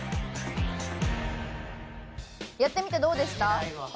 やってみてどうでした？